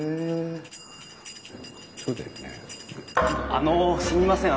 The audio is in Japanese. あのすみません